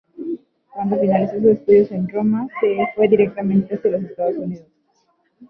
Cuando finalizó sus estudios en Roma, se fue directamente hacia los Estados Unidos.